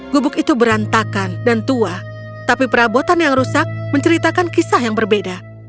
gubuk itu berantakan dan tua tapi perabotan yang rusak menceritakan kisah yang berbeda